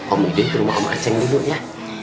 om budi ke rumah om aceh dulu ya